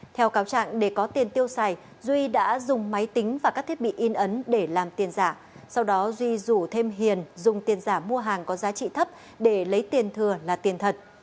theo cáo trạng để có tiền tiêu xài duy đã dùng máy tính và các thiết bị in ấn để làm tiền giả sau đó duy rủ thêm hiền dùng tiền giả mua hàng có giá trị thấp để lấy tiền thừa là tiền thật